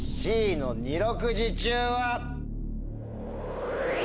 Ｃの「二六時中」は。